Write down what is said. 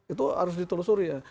itu harus ditelusuri ya